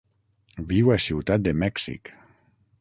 Viu a Ciutat de Mèxic.